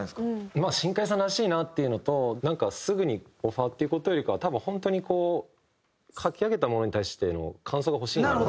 まあ新海さんらしいなっていうのとなんかすぐにオファーっていう事よりかは多分本当にこう書き上げたものに対しての感想が欲しいのかなと。